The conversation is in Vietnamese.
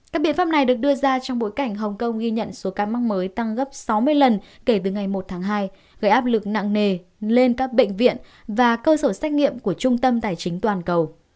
các biện pháp này được đưa ra trong bối cảnh hồng kông ghi nhận số ca mắc mới tăng gấp sáu mươi lần kể từ ngày một tháng hai gây áp lực nặng nề lên các bệnh viện và cơ sở xét nghiệm của trung tâm tài chính toàn cầu